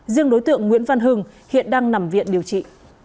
riêng đối tượng nguyễn văn hưng hiện đang nằm viện điều trị